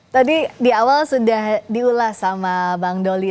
tadi di awal sudah diulas sama bang doli